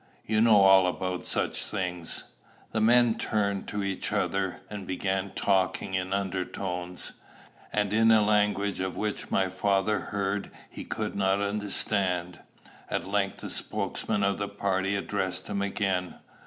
You know all about such things." The men turned to each other, and began talking in undertones, and in a language of which what my father heard he could not understand. At length the spokesman of the party addressed him again.